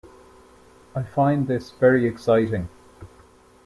I find this very exciting.